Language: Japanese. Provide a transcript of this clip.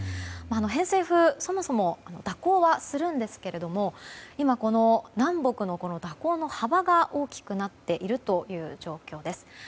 偏西風、そもそも蛇行はするんですけれども今、南北の蛇行の幅が大きくなっている状況です。